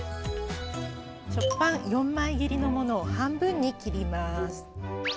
食パン４枚切りのものを半分に切ります。